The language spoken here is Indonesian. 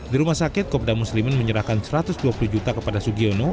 di rumah sakit kopda muslimin menyerahkan satu ratus dua puluh juta kepada sugiono